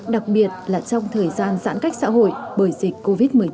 đặc biệt là trong thời gian giãn cách xã hội bởi dịch covid một mươi chín